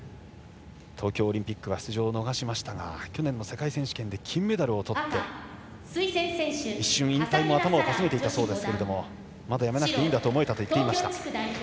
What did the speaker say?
東京オリンピックは出場を逃しましたが去年の世界選手権では金メダルをとって一瞬、引退も頭をかすめたそうですがまだやめなくていいんだと思えたと言っていました。